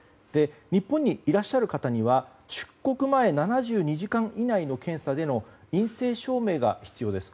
日本にいらっしゃる方には出国前７２時間以内の検査での陰性証明が必要です。